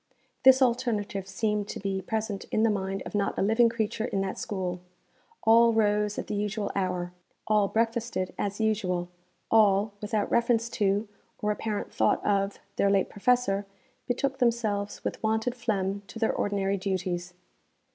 This alternative seemed to be present in the mind of not a living creature in that school. All rose at the usual hour; all breakfasted as usual; all, without reference to, or apparent thought of, their late professor, betook themselves with wonted phlegm to their ordinary duties.